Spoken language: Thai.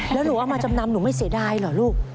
แล้วหนูเอามาจำนำหนูไม่เสียดายเหรอลูก